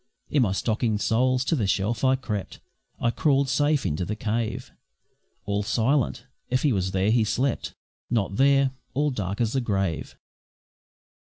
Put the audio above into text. In my stocking soles to the shelf I crept, I crawl'd safe into the cave All silent if he was there he slept Not there. All dark as the grave.